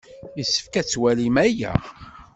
Yessefk ad twalim aya.